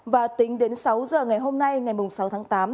và tính đến sáu giờ ngày hôm nay ngày sáu tháng tám